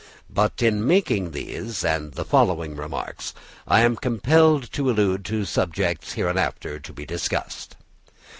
But in making these and the following remarks, I am compelled to allude to subjects hereafter to be discussed.